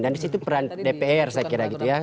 dan disitu peran dpr saya kira gitu ya